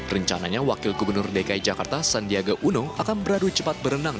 rencananya wakil gubernur dki jakarta sandiaga uno akan beradu cepat berenang